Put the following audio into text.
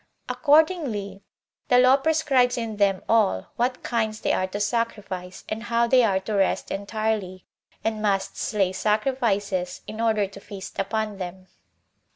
Accordingly, the law prescribes in them all what kinds they are to sacrifice, and how they are to rest entirely, and must slay sacrifices, in order to feast upon them.